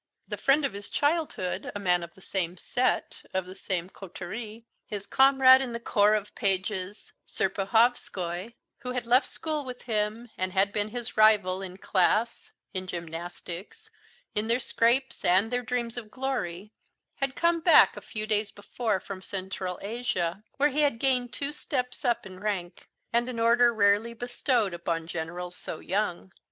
The friend of his childhood, a man of the same set, of the same coterie, his comrade in the Corps of Pages, Serpuhovskoy, who had left school with him and had been his rival in class, in gymnastics, in their scrapes and their dreams of glory, had come back a few days before from Central Asia, where he had gained two steps up in rank, and an order rarely bestowed upon generals so young.